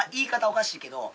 おかしいけど。